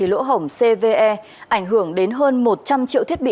lỗ hỏng cve ảnh hưởng đến hơn một trăm linh triệu thiết bị